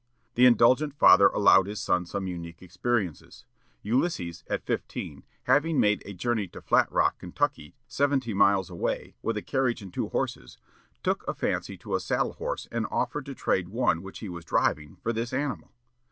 The indulgent father allowed his son some unique experiences. Ulysses, at fifteen, having made a journey to Flat Rock, Kentucky, seventy miles away, with a carriage and two horses, took a fancy to a saddle horse and offered to trade one which he was driving, for this animal.